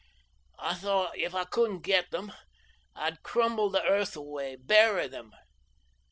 "I thought, if I couldn't get them, I'd crumble the earth away bury them.